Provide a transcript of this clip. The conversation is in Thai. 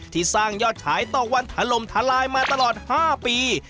ที่สร้างยอดขายต่อวันถล่มทลายมาตลอด๕ปี